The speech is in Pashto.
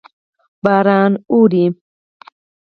باران اوري.